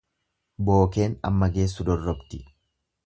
Bookeen amma geessu dorrobdi.